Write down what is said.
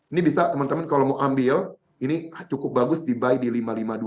ini bisa teman teman kalau mau ambil ini cukup bagus dibuy di lima ribu lima ratus dua puluh lima